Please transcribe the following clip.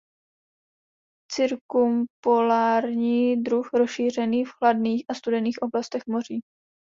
Cirkumpolární druh rozšířený v chladných a studených oblastech moří.